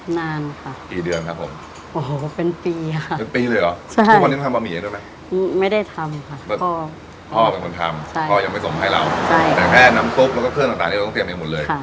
นานค่ะเป็นปีค่ะพ่อเป็นคนทำบะหมี่เองด้วยไหมพ่อเป็นคนทำพ่อยังไม่ส่งให้เราแต่แค่น้ำซุปและเครื่องต่างเราต้องเตรียมเองหมดเลย